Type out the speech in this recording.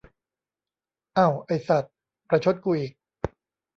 เอ้า ไอ้สัด ประชดกูอีก